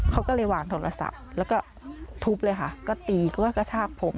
เขาก็เลยวางโทรศัพท์แล้วก็ทุบเลยค่ะก็ตีก็กระชากผม